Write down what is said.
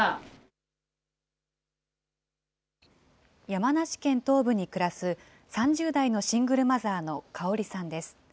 山梨県東部に暮らす、３０代のシングルマザーのかおりさんです。